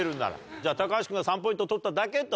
じゃあ橋君が３ポイント取っただけと。